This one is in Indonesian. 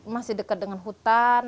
masih dekat dengan hutan